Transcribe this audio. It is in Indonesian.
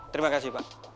terima kasih pak